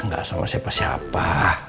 gak sama siapa siapa